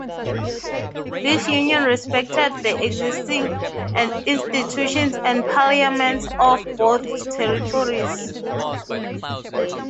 This union respected the existing institutions and parliaments of both territories.